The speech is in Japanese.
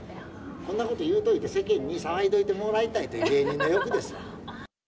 こんなこと言うといて、世間に騒いどいてもらいたいという芸人の欲ですよ。